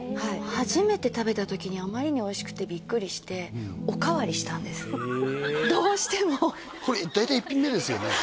初めて食べた時にあまりにおいしくてビックリしておかわりしたんですへえどうしても大体一品目ですよね？